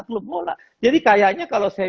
klub bola jadi kayaknya kalau saya